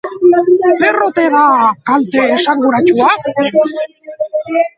Zer ote da kalte esanguratsua?